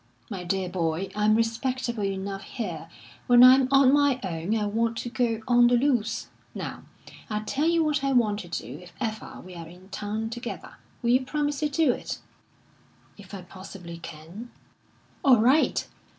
My dear boy, I'm respectable enough here. When I'm on my own, I want to go on the loose. Now, I'll tell you what I want to do if ever we are in town together. Will you promise to do it?" "If I possibly can." "All right!